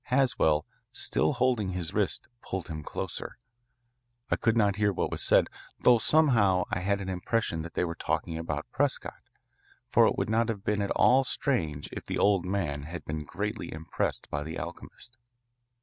Haswell, still holding his wrist, pulled him closer. I could not hear what was said, though somehow I had an impression that they were talking about Prescott, for it would not have been at all strange if the old man had been greatly impressed by the alchemist.